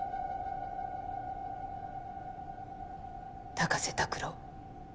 高瀬卓郎